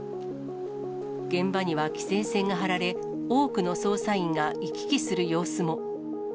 現場には規制線が張られ、多くの捜査員が行き来する様子も。